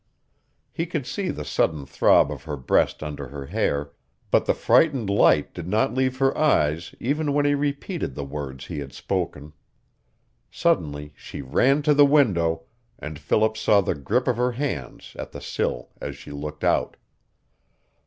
He could see the sudden throb of her breast under her hair, but the frightened light did not leave her eyes even when he repeated the words he had spoken. Suddenly she ran to the window, and Philip saw the grip of her hands at the sill as she looked out.